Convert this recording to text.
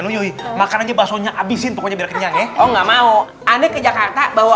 luyuy makanannya basonya abisin pokoknya biar kenyang ya oh enggak mau aneh ke jakarta bawa